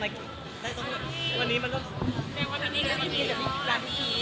มีคลิปหรือร้านพี่คิด